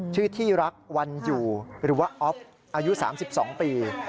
ชื่อที่รักวันอยู่หรือว่าอ๊อฟอายุ๓๒ปี